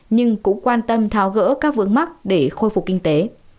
nhưng cũng quan tâm tháo gỡ các vướng mắc để khôi phục kinh tế